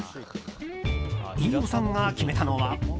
飯尾さんが決めたのは。